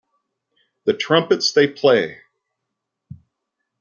The Trumpets They Play!